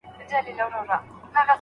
چې کاته مې په کتو کې را ايسار دي